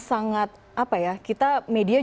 sangat apa ya kita media